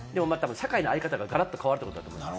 社会の在り方がガラッと変わってくると思います。